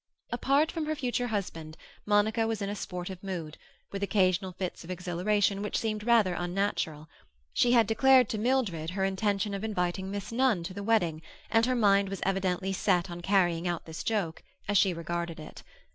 Apart from her future husband, Monica was in a sportive mood, with occasional fits of exhilaration which seemed rather unnatural. She had declared to Mildred her intention of inviting Miss Nunn to the wedding, and her mind was evidently set on carrying out this joke, as she regarded it.